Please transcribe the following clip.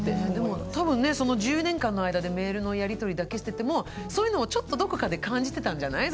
多分ねその１０年間の間でメールのやりとりだけしててもそういうのをちょっとどこかで感じてたんじゃない？